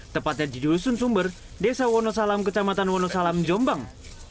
tepatnya di dusun sumber desa wonosalam kecamatan wonosalam jombang